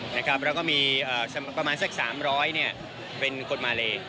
แล้วก็มีประมาณสัก๓๐๐เป็นคนมาเล